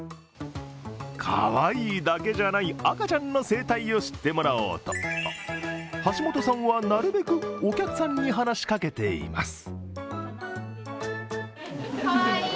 かわいいだけじゃない、赤ちゃんの生態を知ってもらおうと橋本さんはなるべくお客さんに話しかけています。